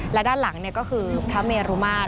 และด้านหลังก็คือพระเมรุมาตร